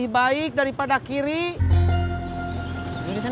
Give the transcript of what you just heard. kemudian panggilin hubung ke lain